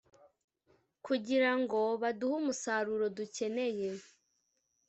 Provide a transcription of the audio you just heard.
kugira ngo buduhe umusaruro dukeneye.